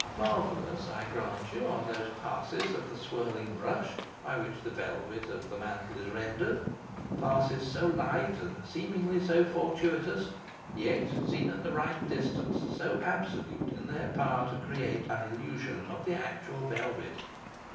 Marvellous, I grant you, are those passes of the swirling brush by which the velvet of the mantle is rendered passes so light and seemingly so fortuitous, yet, seen at the right distance, so absolute in their power to create an illusion of the actual velvet.